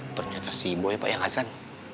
ternyata si boy pak yang azan